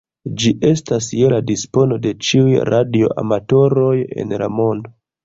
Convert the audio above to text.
Ĝi estas je la dispono de ĉiuj radioamatoroj en la mondo.